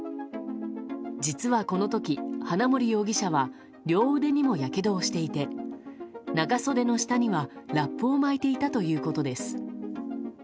実はこの時、花森容疑者は両腕にも、やけどをしていて長袖の下にはラップを巻いていたということです。